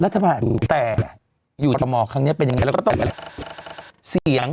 รัฐภาพอยู่แต่อยู่กับหมอครั้งนี้เป็นยังไงแล้วก็ต้องไปแล้ว